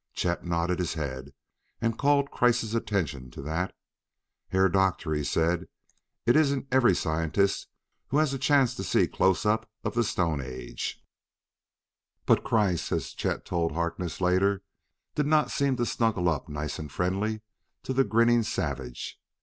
Chet nodded his head to call Kreiss' attention to that. "Herr Doktor," he said, "it isn't every scientist who has the chance to see a close up of the stone age." But Herr Kreiss, as Chet told Harkness later, did not seem to "snuggle up nice and friendly" to the grinning savage.